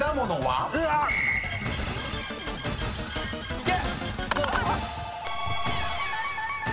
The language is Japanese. いけ！